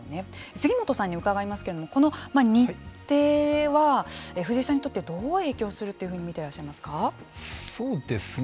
杉本さんに伺いますけれどもこの日程は、藤井さんにとってどう影響するというふうに見てらっしゃいますか。